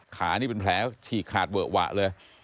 นี่เป็นแผลฉีกขาดเวอะหวะเลย